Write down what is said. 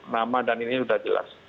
nama dan ini sudah jelas